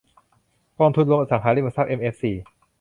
กองทุนรวมอสังหาริมทรัพย์เอ็มเอฟซี